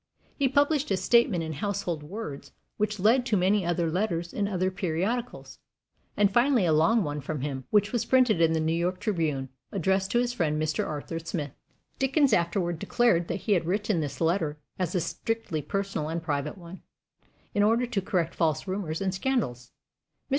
He published a statement in Household Words, which led to many other letters in other periodicals, and finally a long one from him, which was printed in the New York Tribune, addressed to his friend Mr. Arthur Smith. Dickens afterward declared that he had written this letter as a strictly personal and private one, in order to correct false rumors and scandals. Mr.